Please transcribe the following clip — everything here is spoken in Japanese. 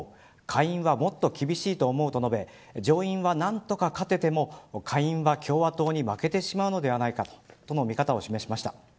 下院はもっと厳しいと思うと述べ上院は何とか勝てても下院は共和党に負けてしまうのではないかという見方を示しました。